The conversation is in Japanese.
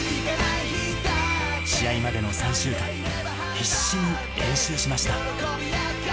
試合までの３週間、必死に練習しました。